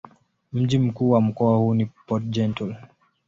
Mji mkuu wa mkoa huu ni Port-Gentil.